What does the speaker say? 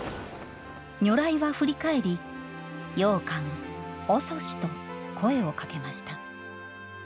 如来は振り返り「永観、おそし」と声をかけました。